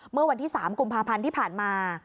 เมื่อวันที่๓กุมภาพันธ์ที่ผ่านมา